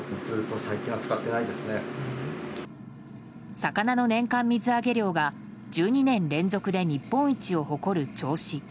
魚の年間水揚げ量が１２年連続で日本一を誇る銚子。